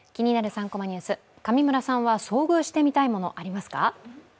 ３コマニュース」、上村さんは遭遇してみたいものありますか？